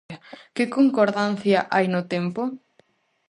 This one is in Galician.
Que concordancia hai no tempo?